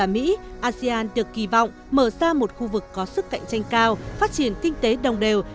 asean được kỳ vọng mở ra một khu vực có sức cạnh tranh cao phát triển kinh tế đồng đều